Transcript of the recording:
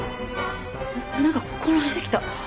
なんか混乱してきた。